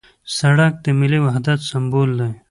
سړک د ملي وحدت سمبول دی.